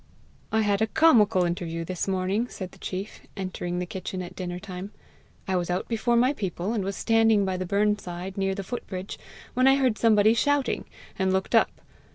"I had a comical interview this morning," said the chief, entering the kitchen at dinner time. "I was out before my people, and was standing by the burn side near the foot bridge, when I heard somebody shouting, and looked up.